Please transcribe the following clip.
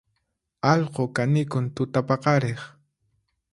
Allqu kanikun tutapaqariq